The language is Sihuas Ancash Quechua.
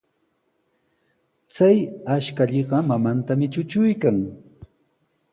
Chay ashkallaqa mamantami trutruykan.